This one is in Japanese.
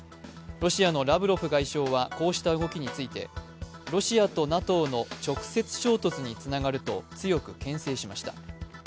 ロシアのラブロフ外相はこうした動きについてロシアとＮＡＴＯの直接衝突につながると強くけん制しました。